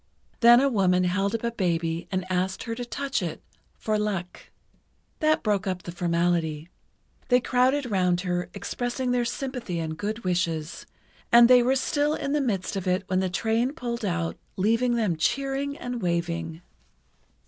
Then a woman held up a baby and asked her to touch it "for luck." That broke up the formality. They crowded round her, expressing their sympathy and good wishes, and they were still in the midst of it when the train pulled out leaving them cheering and waving.